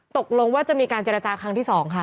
ตกลงว่าจะมีการเจรจาครั้งที่๒ค่ะ